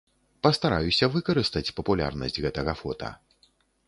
Пастараюся выкарыстаць папулярнасць гэтага фота.